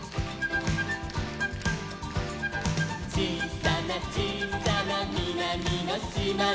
「ちいさなちいさなみなみのしまに」